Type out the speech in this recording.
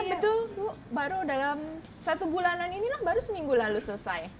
betul bu baru dalam satu bulanan inilah baru seminggu lalu selesai